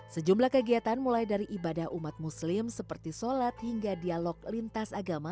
sejumlah kegiatan mulai dari ibadah umat muslim seperti sholat hingga dialog lintas agama